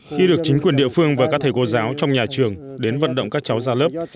khi được chính quyền địa phương và các thầy cô giáo trong nhà trường đến vận động các cháu ra lớp